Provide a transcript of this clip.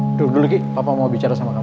duduk dulu kik papa mau bicara sama kamu